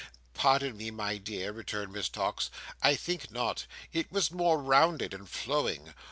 "Pardon me, my dear," returned Miss Tox, "I think not. It was more rounded and flowing.